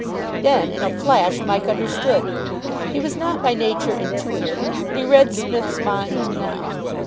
Then in a flash Mike understood. He was not by nature intuitive, but he read Psmith's mind now.